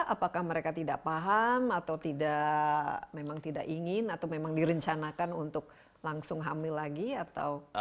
apakah mereka tidak paham atau tidak memang tidak ingin atau memang direncanakan untuk langsung hamil lagi atau